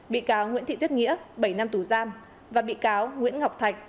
bị cáo nguyễn thị tuyết nghĩa bảy năm tù giam và bị cáo nguyễn ngọc thạch